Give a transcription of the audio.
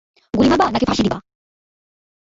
গুলি মারবা নাকি ফাসি দিবা?